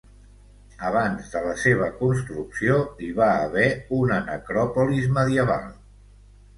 Abans de la seva construcció hi va haver una necròpolis medieval.